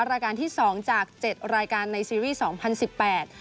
รายการที่สองจากเจ็ดรายการในซีรีส์สองพันสิบแปด